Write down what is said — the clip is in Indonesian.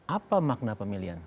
apa makna pemilihan